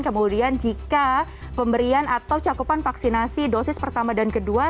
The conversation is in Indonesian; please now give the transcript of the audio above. kemudian jika pemberian atau cakupan vaksinasi dosis pertama dan kedua